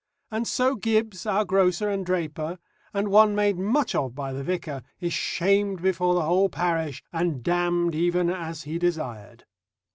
And so Gibbs, our grocer and draper, and one made much of by the vicar, is shamed before the whole parish, and damned even as he desired.